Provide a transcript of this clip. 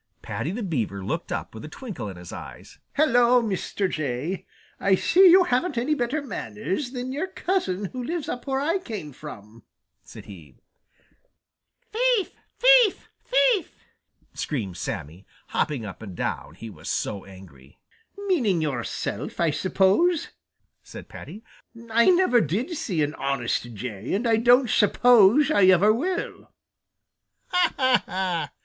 Paddy the Beaver looked up with a twinkle in his eyes. "Hello, Mr. Jay! I see you haven't any better manners than your cousin who lives up where I came from," said he. "Thief! thief! thief!" screamed Sammy, hopping up and down, he was so angry. "Meaning yourself, I suppose," said Paddy. "I never did see an honest Jay, and I don't suppose I ever will." "Ha, ha, ha!"